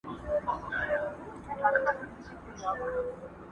دوسته څو ځله مي ږغ کړه تا زه نه یم اورېدلی؛